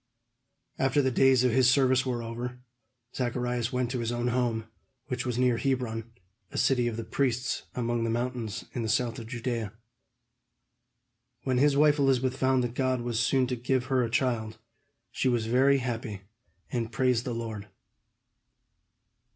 After the days of his service were over, Zacharias went to his own home, which was near Hebron, a city of the priests, among the mountains in the south of Judea. When his wife Elizabeth found that God was soon to give her a child, she was very happy, and praised the Lord.